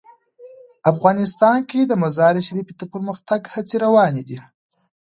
افغانستان کې د مزارشریف د پرمختګ هڅې روانې دي.